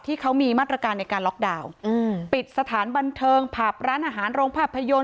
ที่เขามีมาตรการในการล็อกดาวน์ปิดสถานบันเทิงผับร้านอาหารโรงภาพยนตร์